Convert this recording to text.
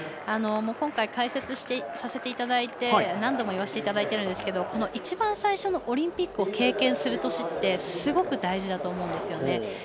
今回、解説させていただいて何度も言わせていただいてるんですが一番最初のオリンピックを経験する年ってすごく大事だと思うんですよね。